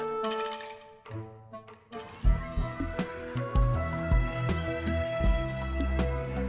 jadi ab beaches gimana